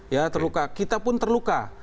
ya terluka kita pun terluka